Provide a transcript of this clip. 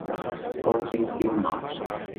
乾蒸燒賣